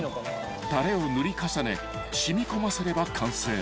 ［たれを塗り重ね染み込ませれば完成］